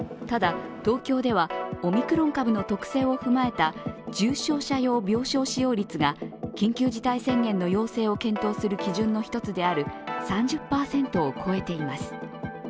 ただ、東京ではオミクロン株の特性を踏まえた重症者病床使用率が緊急事態宣言の要請を検討する基準の一つである３０％を超えています。